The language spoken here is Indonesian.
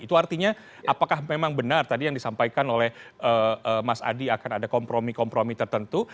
itu artinya apakah memang benar tadi yang disampaikan oleh mas adi akan ada kompromi kompromi tertentu